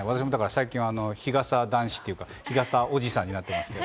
最近、日傘男子というか、日傘おじさんに私もなってます。